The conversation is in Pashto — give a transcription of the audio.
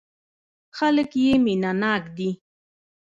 خلک يې مينه ناک دي.